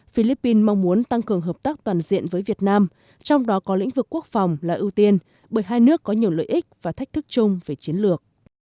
philippines mong muốn tăng cường hợp tác toàn diện với việt nam trong đó có lĩnh vực quốc phòng là ưu tiên bởi hai nước có nhiều lợi ích và thách thức chung về chiến lược